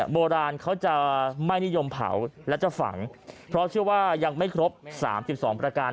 โบราณเขาจะไม่นิยมเผาและจะฝังเพราะเชื่อว่ายังไม่ครบ๓๒ประการ